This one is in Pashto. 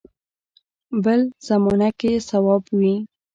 بل زمانه کې صواب وي.